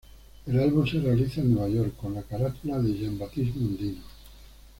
El álbum se realiza en Nueva York, con la carátula de Jean-Baptiste Mondino.